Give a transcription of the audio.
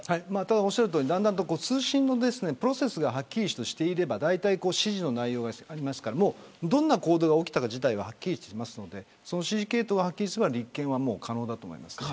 おっしゃるとおり段々と通信のプロセスがはっきりしていれば指示の内容が分かりますからどんな行動が起きたかはっきりしていますので指示系統がはっきりすれば立件は可能だと思います。